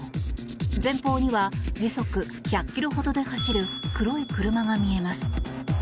前方には時速１００キロほどで走る黒い車が見えます。